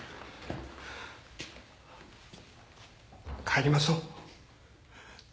帰りましょう。